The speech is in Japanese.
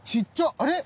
あれ？